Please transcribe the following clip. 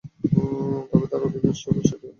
তবে তার অধিক মিষ্ট বিষয়টি অধিক তিক্ত।